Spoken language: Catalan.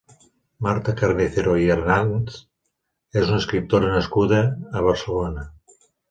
Marta Carnicero i Hernanz és una escriptora nascuda a Barcelona.